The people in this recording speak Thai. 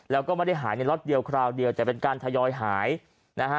แล้วก็ไม่ได้หายในล็อตเดียวคราวเดียวแต่เป็นการทยอยหายนะฮะ